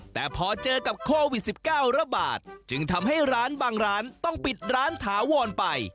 แต่พอเจอกับโควิด๑๙ระบาดจึงทำให้ร้านบางร้านต้องปิดร้านถาวรไป